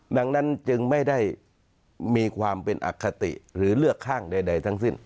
ดังนั้นจึงไม่ได้มีความเป็นอคติหรือเลือกข้างใดทั้งสิ้น